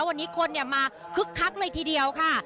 วันนี้คนมาคึกคักเลยทีเดียวค่ะ